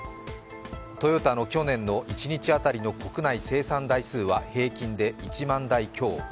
トヨタの去年の一日当たりの国内生産台数は平均で１万台強。